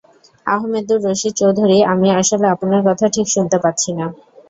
আহমেদুর রশীদ চৌধুরী আমি আসলে আপনার কথা ঠিক শুনতে পাচ্ছি না।